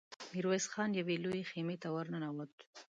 ميرويس خان يوې لويې خيمې ته ور ننوت.